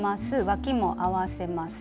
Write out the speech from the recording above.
わきも合わせます。